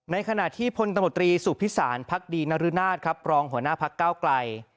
ในขณะที่พลตมตรีสุพิษารพดีนรนาฬปรองหัวหน้าพเก้าไกล